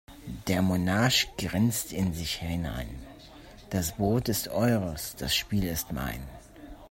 Der Monarch grinst in sich hinein: Das Brot ist eures, das Spiel ist mein.